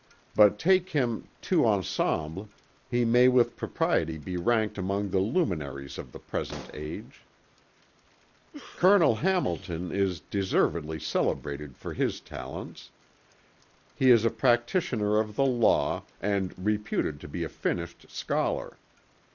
But take him tout en semble, he may with propriety be ranked among the Luminaries of the present age." "Col. Hamilton is deservedly celebrated for his talents. He is a practitioner of the Law, and reputed to be a finished Scholar.